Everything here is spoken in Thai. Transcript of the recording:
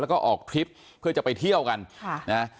แล้วก็ออกทริปเพื่อจะไปเที่ยวกันค่ะนะ